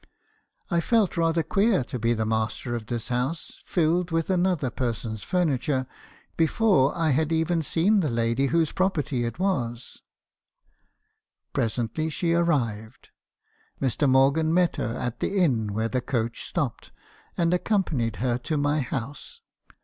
I felt rather queer to be the master 252 me. haerison's confessions. of this house, filled with another person's furniture, before I had even seen the lady whose property it was. "Presently she arrived. Mr. Morgan met her at the inn where the coach stopped, and accompanied her to my house.